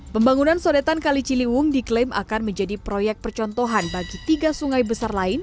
pembangunan sodetan kali ciliwung diklaim akan menjadi proyek percontohan bagi tiga sungai besar lain